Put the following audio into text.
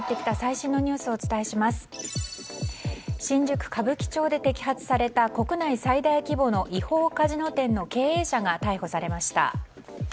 新宿・歌舞伎町で摘発された国内最大規模の違法カジノ店の経営者が逮捕されました。